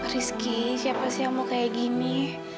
rizky siapa sih yang mau kayak gini